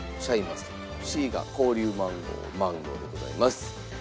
Ｃが紅龍マンゴーマンゴーでございます。